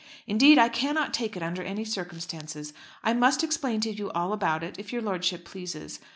Indeed I cannot take it under any circumstances. I must explain to you all about it, if your lordship pleases.